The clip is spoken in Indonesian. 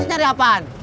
itu nyari apaan